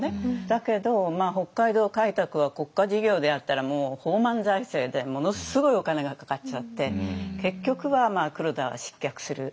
だけど北海道開拓は国家事業でやったらもう放漫財政でものすごいお金がかかっちゃって結局は黒田は失脚する。